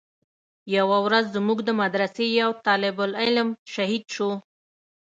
يوه ورځ زموږ د مدرسې يو طالب العلم شهيد سو.